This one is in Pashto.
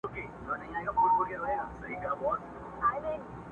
په دې ښار كي د قدرت لېوني ډېر وه،